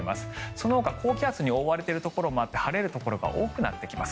そのほか、高気圧に覆われているところもあって晴れるところが多くなってきます。